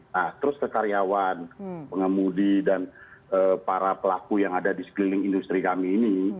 nah terus ke karyawan pengemudi dan para pelaku yang ada di sekeliling industri kami ini